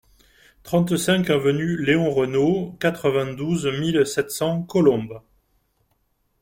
trente-cinq avenue Léon Renault, quatre-vingt-douze mille sept cents Colombes